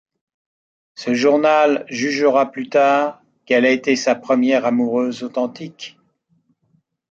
Ce journal jugera plus tard qu'elle a été sa première amoureuse authentique.